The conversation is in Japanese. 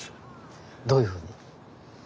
どういうふうに？